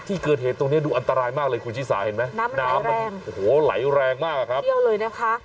ที่เกิดเหตุตรงนี้ดูอันตรายมากเลยคุณชิสาเห็นไหมน้ำมันโอ้โหไหลแรงมากอะครับเที่ยวเลยนะคะ